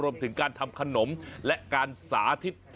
รวมถึงการทำขนมและการสาธิต